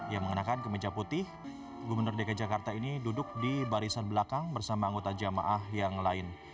yang mengenakan kemeja putih gubernur dki jakarta ini duduk di barisan belakang bersama anggota jamaah yang lain